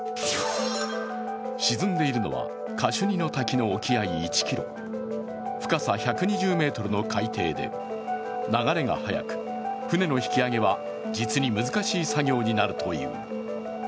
沈んでいるのは、カシュニの滝の沖合１ｋｍ、深さ１２０ｍの海底で、流れが速く、船の引き揚げは実に難しい作業になるという。